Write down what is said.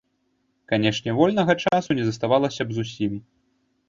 Канешне, вольнага часу не заставалася б зусім.